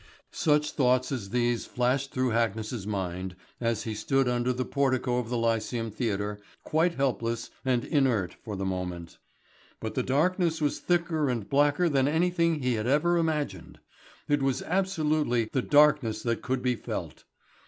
Such thoughts as these flashed through Hackness's mind as he stood under the portico of the Lyceum Theatre, quite helpless and inert for the moment. But the darkness was thicker and blacker than anything he had ever imagined. It was absolutely the darkness that could be felt.